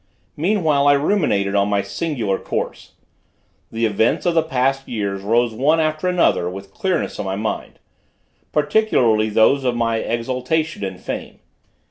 Meanwhile I ruminated on my singular course. The events of the past years rose one after another with clearness in my mind; particularly those of my exaltation and fame.